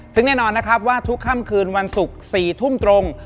ซึ่งแน่นอนนะครับว่าทุกค่ำคืนวันศุกร์๔ทุ่มตรง